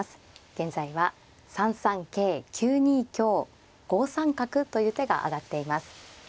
現在は３三桂９二香５三角という手が挙がっています。